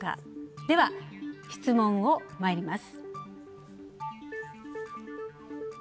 では、質問をまいります。